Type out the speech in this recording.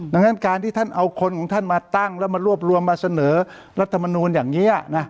ดังนั้นการที่ท่านเอาคนของท่านมาตั้งแล้วมารวบรวมมาเสนอรัฐมนูลอย่างนี้นะ